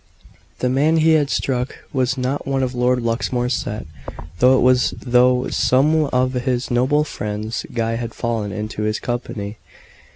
The man he had struck was not one of Lord Luxmore's set though it was through some of his "noble" friends Guy had fallen into his company.